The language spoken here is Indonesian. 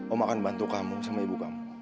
om akan bantu kamu sama ibu kamu